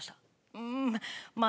うんまあ